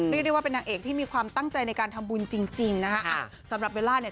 เรียกได้ว่าเป็นนางเอกที่มีความตั้งใจในการทำบุญจริงจริงนะฮะอ่ะสำหรับเบลล่าเนี่ย